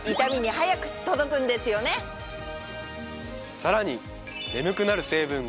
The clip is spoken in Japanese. さらに。